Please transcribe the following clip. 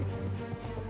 di kawasan timur